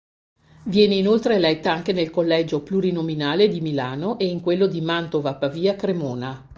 Viene inoltre eletta anche nel collegio plurinominale di Milano e in quello di Mantova-Pavia-Cremona.